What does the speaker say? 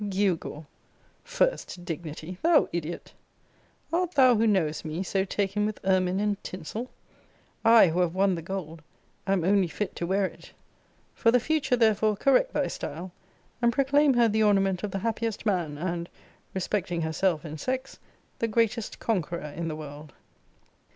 gew gaw! First dignity! thou idiot! Art thou, who knowest me, so taken with ermine and tinsel? I, who have won the gold, am only fit to wear it. For the future therefore correct thy style, and proclaim her the ornament of the happiest man, and (respecting herself and sex) the greatest conqueror in the world.